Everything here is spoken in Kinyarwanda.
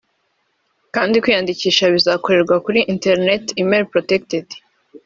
kandi kwiyandikisha bizakorerwa kuri interineti [email protected]